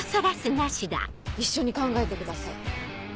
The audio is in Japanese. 一緒に考えてください。